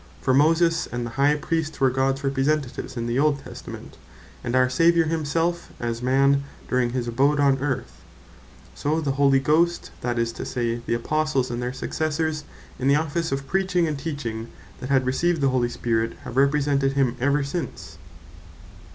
For as Moses, and the High Priests, were Gods Representative in the Old Testament; and our Saviour himselfe as Man, during his abode on earth: So the Holy Ghost, that is to say, the Apostles, and their successors, in the Office of Preaching, and Teaching, that had received the Holy Spirit, have Represented him ever since.